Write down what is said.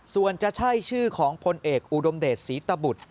ส่วนจะใช่ชื่อของพลเอกอุดมเดชศรีตบุตร